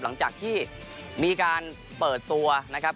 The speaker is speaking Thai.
หลังจากที่มีการเปิดตัวนะครับ